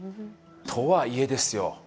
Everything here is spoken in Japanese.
とはいえですよ